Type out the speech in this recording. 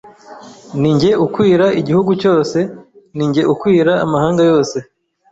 nin jye ukwira igihugu cyose, ninjye ukwira amahanga yose